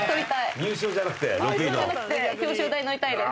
優勝じゃなくて表彰台に乗りたいです。